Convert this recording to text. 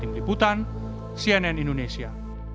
tim liputan cnn indonesia